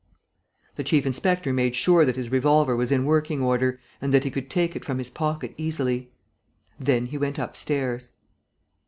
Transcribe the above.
The chief inspector made sure that his revolver was in working order and that he could take it from his pocket easily. Then he went upstairs.